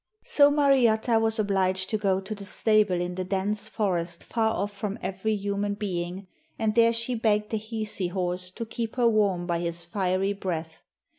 So Mariatta was obliged to go to the stable in the dense forest far off from every human being, and there she begged the Hisi horse to keep her warm by his fiery breath.